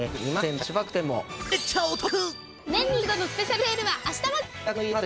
年に１度のスペシャルセールは明日まで。